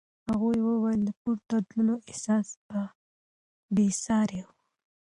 هغې وویل د پورته تللو احساس بې ساری و.